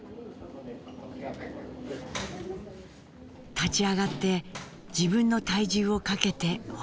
立ち上がって自分の体重をかけてほぐしていきます。